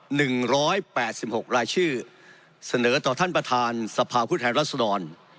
หนึ่งร้อยแปดสิบหกรายชื่อเสนอต่อท่านประธานสภาผู้แทนรัศดร